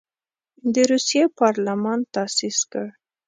د روسیې پارلمان تاسیس کړ.